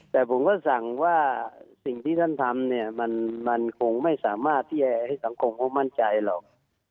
แต่ผมก็สั่งว่าสิ่งที่ท่านทำเนี่ยมันคงไม่สามารถที่จะให้สังคมเขามั่นใจหรอก